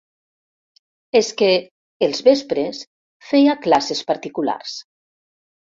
És que, els vespres, feia classes particulars.